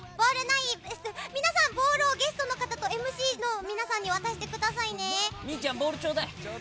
皆さん、ボールをゲストの方とＭＣの皆さんに渡してくださいね。